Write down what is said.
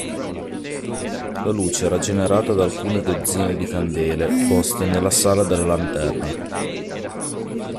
La luce era generata da alcune dozzine di candele poste nella sala della lanterna.